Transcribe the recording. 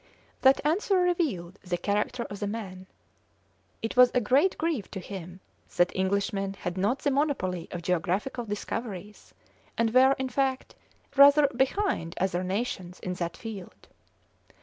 That answer revealed the character of the man. It was a great grief to him that Englishmen had not the monopoly of geographical discoveries, and were, in fact, rather behind other nations in that field.